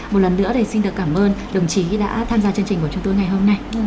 một lần nữa thì xin được cảm ơn đồng chí đã tham gia chương trình của chúng tôi ngày hôm nay